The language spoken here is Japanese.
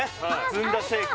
ずんだシェイク